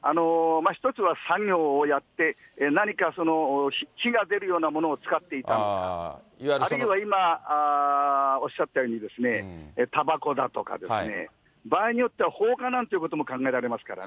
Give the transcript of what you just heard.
一つは作業をやって、何か火が出るようなものを使っていたとか、あるいは今おっしゃったようにですね、たばこだとかですね、場合によっては放火なんていうことも考えられますからね。